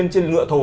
trên ngựa thồ